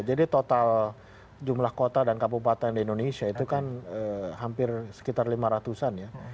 jadi total jumlah kota dan kabupaten di indonesia itu kan hampir sekitar lima ratusan ya